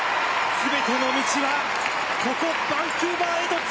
全ての道はここバンクーバーへと通じていた！